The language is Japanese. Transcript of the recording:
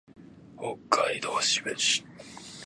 北海道士別市